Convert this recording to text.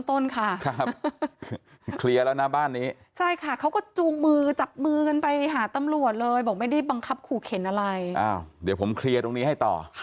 พ่อมันไม่อยู่ในเหตุการณ์นั้น